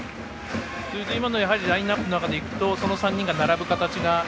今のラインアップの中でいくと、その３人が並ぶ感じが。